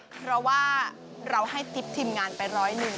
เพราะว่าเราให้ติ๊บทีมงานไปร้อยหนึ่ง